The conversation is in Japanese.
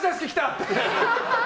って。